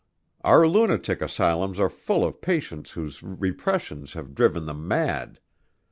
Our lunatic asylums are full of patients whose repressions have driven them mad.